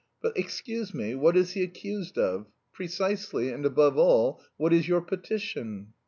"But excuse me, what is he accused of? Precisely and, above all, what is your petition?"